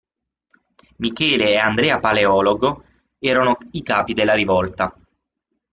Michele e Andrea Paleologo erano i capi della rivolta.